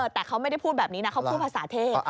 แต่เขาไม่ได้พูดแบบนี้นะเขาพูดภาษาเทพ